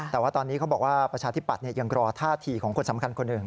แต่ว่าตอนนี้เขาบอกว่าประชาธิปัตย์ยังรอท่าทีของคนสำคัญคนหนึ่ง